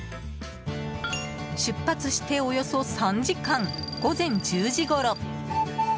出発しておよそ３時間午前１０時ごろ。